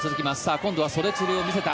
今度は袖釣りを見せた。